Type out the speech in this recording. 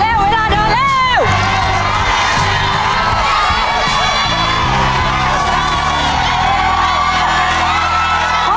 เร็วลูกเร็วเวลาเดินเร็ว